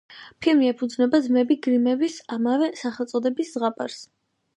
ფილმი ეფუძნება ძმები გრიმების ამავე სახელწოდების ზღაპარს.